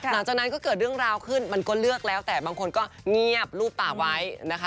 หลังจากนั้นก็เกิดเรื่องราวขึ้นมันก็เลือกแล้วแต่บางคนก็เงียบรูปปากไว้นะคะ